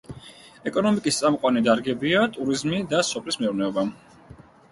ეკონომიკის წამყვანი დარგებია ტურიზმი და სოფლის მეურნეობა.